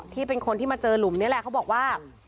ที่เป็นคนที่มาเจอหลุมนี้แหละเขาบอกว่า